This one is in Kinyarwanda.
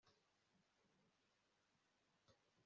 reka dusigire rugamba icyemezo